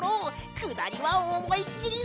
くだりはおもいっきりな！